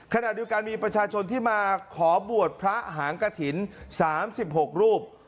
ขณะด้วยการมีประชาชนที่มาขอบวชพระหางกฐิน๓๖รูป